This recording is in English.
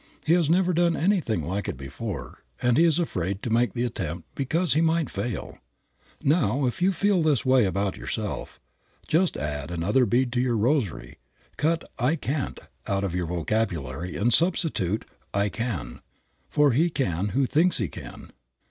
He has never done anything like it before; and he is afraid to make the attempt because he might fail. Now, if you feel this way about yourself, just add another bead to your rosary. Cut "I can't" out of your vocabulary and substitute "I can," for he can who thinks he can.